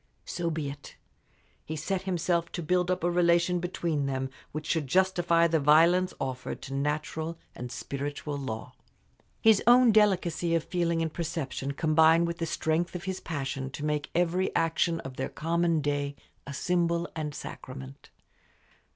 So be it. He set himself to build up a relation between them which should justify the violence offered to natural and spiritual law. His own delicacy of feeling and perception combined with the strength of his passion to make every action of their common day a symbol and sacrament.